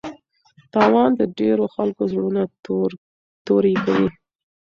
تاوان د ډېرو خلکو زړونه توري کوي.